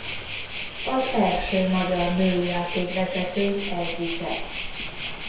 Az első magyar női játékvezetők egyike.